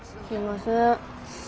すいません。